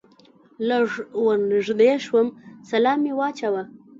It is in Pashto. لږ ور نږدې شوم سلام مې واچاوه.